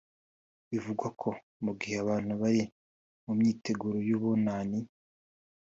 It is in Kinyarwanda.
Bivugwa ko mu gihe abantu bari mu myiteguro y’Ubunani